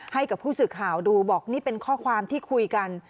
ให้กับผู้สื่อข่าวดูบอกนี่เป็นข้อความที่คุยกัน